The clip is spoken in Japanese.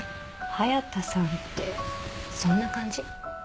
隼田さんってそんな感じ。